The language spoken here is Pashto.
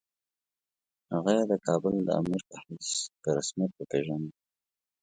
هغه یې د کابل د امیر په حیث په رسمیت وپېژانده.